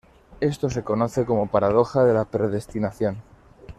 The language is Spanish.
Esto se conoce como paradoja de la predestinación.